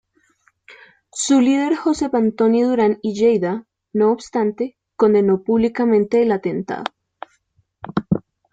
Su líder Josep Antoni Duran i Lleida, no obstante, condenó públicamente el atentado.